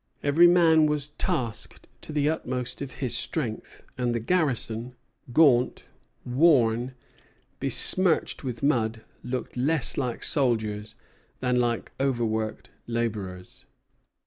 Every man was tasked to the utmost of his strength; and the garrison, gaunt, worn, besmirched with mud, looked less like soldiers than like overworked laborers.